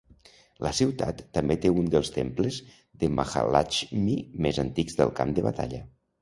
La ciutat també té un dels temples de Mahalakxmi més antics del camp de batalla.